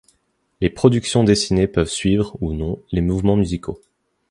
Les productions dessinées peuvent suivre, ou non, les mouvements musicaux.